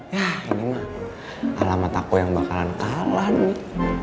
ya ini mah alamat aku yang bakalan kalah nih